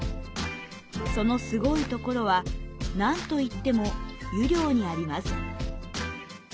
そのすごいところは、何といっても湯量にあります。